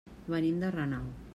Venim de Renau.